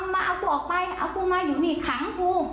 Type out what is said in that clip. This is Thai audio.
มาเอาคุณมาอยู่มีขัง